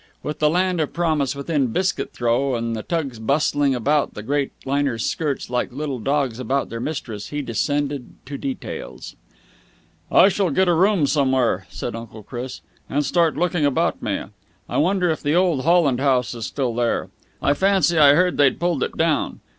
With the land of promise within biscuit throw and the tugs bustling about the great liner's skirts like little dogs about their mistress, he descended to details. "I shall get a room somewhere," said Uncle Chris, "and start looking about me. I wonder if the old Holland House is still there. I fancy I heard they'd pulled it down.